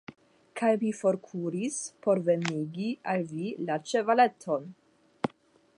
kaj mi forkuris, por venigi al vi la ĉevaleton.